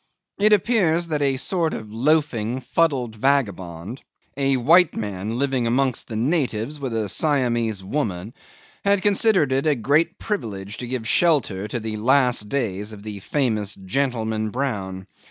It appears that a sort of loafing, fuddled vagabond a white man living amongst the natives with a Siamese woman had considered it a great privilege to give a shelter to the last days of the famous Gentleman Brown.